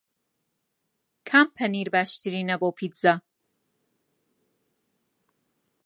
کام پەنیر باشترینە بۆ پیتزا؟